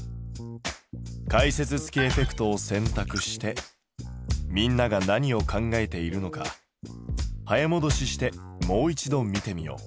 解説付きエフェクトを選択してみんなが何を考えているのか早もどししてもう一度見てみよう。